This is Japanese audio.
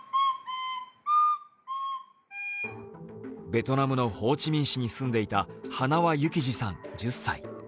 ベトナムのホーチミン市に住んでいた塙幸士さん１０歳。